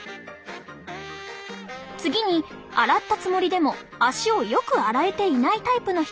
次に洗ったつもりでも足をよく洗えていないタイプの人。